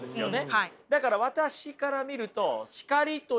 はい。